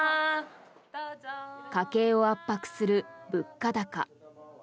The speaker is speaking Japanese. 家計を圧迫する物価高。